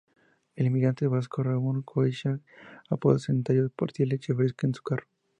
El inmigrante vasco Ramón Goicoechea apodado Centenario repartía leche fresca con su carro.